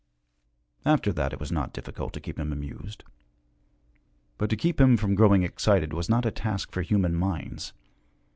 After that it was not difficult to keep him amused. But to keep him from growing excited was not a task for human minds.